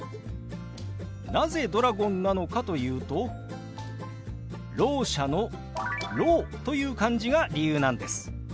なぜドラゴンなのかというと聾者の「聾」という漢字が理由なんです。